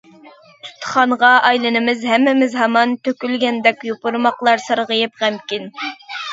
ئۇستىخانغا ئايلىنىمىز ھەممىمىز ھامان، تۆكۈلگەندەك يوپۇرماقلار سارغىيىپ غەمكىن.